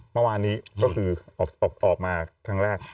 เมื่อวานนี้ก็คือออกมาครั้งแรก